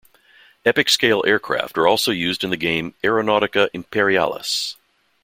Epic-scale aircraft are also used in the game "Aeronautica Imperialis".